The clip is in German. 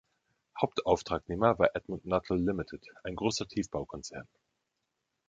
Hauptauftragnehmer war Edmund Nuttall Limited, ein großer Tiefbaukonzern.